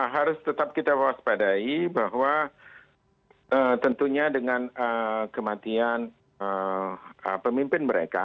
harus tetap kita waspadai bahwa tentunya dengan kematian pemimpin mereka